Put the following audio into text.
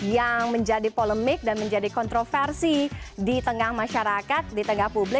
yang menjadi polemik dan menjadi kontroversi di tengah masyarakat di tengah publik